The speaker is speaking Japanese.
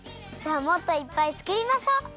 じゃあもっといっぱいつくりましょう！